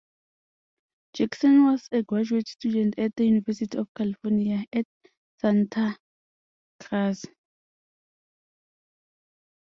Jackson was a graduate student at the University of California at Santa Cruz.